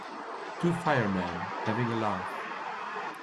two fireman having a laugh